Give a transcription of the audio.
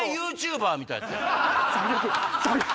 最悪！